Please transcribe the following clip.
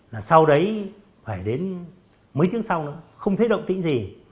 mấy tiếng sau nữa không thấy động tĩnh gì